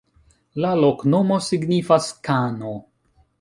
La loknomo signifas: kano.